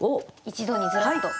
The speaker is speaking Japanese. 一度にずらっと。